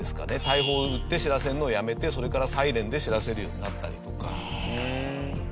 大砲撃って知らせるのをやめてそれからサイレンで知らせるようになったりとか。